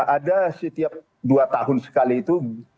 ada setiap dua tahun sekali itu